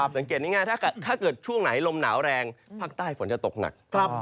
สังเกตง่ายถ้าเกิดช่วงไหนลมหนาวแรงภาคใต้ฝนจะตกหนัก